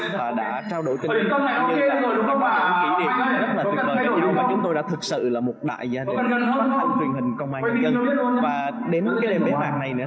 và đến cái đêm bế mạc này nữa